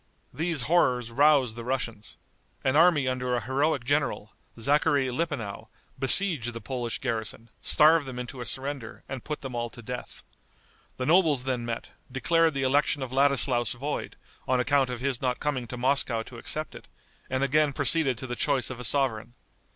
These horrors roused the Russians. An army under a heroic general, Zachary Lippenow, besieged the Polish garrison, starved them into a surrender, and put them all to death. The nobles then met, declared the election of Ladislaus void, on account of his not coming to Moscow to accept it, and again proceeded to the choice of a sovereign.